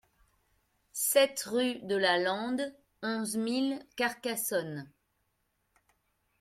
sept rue de la Lande, onze mille Carcassonne